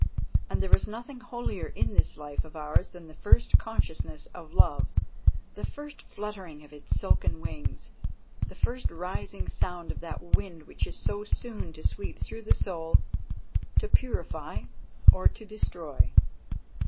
And there is nothing holier in this life of ours than the first consciousness of love, the first fluttering of its silken wings, the first rising sound of that wind which is so soon to sweep through the soul to purify or to destroy.